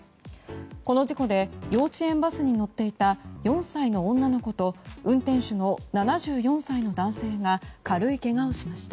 この事故で幼稚園バスに乗っていた４歳の女の子と運転手の７４歳の男性が軽いけがをしました。